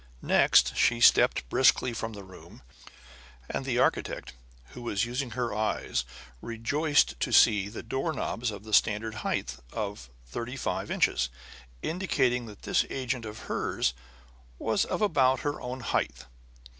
Next she stepped briskly from the room; and the architect who was using her eyes rejoiced to see the door knobs of the standard height of thirty five inches, indicating that this agent of hers was of about her own height.